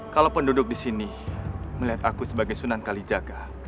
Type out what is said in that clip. kalau penduduk di sini melihat aku sebagai sunan kalijaga